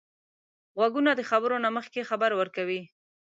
غوږونه د خبرو نه مخکې خبر ورکوي